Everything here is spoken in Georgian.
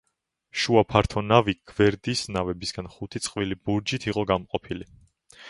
შუა ფართო ნავი გვერდის ნავებისაგან ხუთი წყვილი ბურჯით იყო გამოყოფილი.